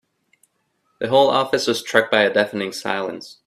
The whole office was struck by a deafening silence.